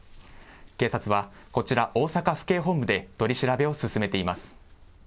警察は、こちら大阪府警本部で取り調べを進めています。